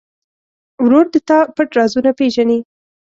ورور د تا پټ رازونه پېژني.